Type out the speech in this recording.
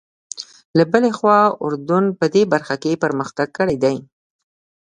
له بلې خوا اردن په دې برخه کې پرمختګ کړی دی.